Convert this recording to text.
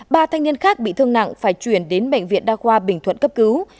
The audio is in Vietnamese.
ba thanh niên khác bị thương nặng phải chuyển đến bệnh viện đa khoa bình thuận cấp cứu